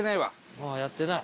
まだやってない。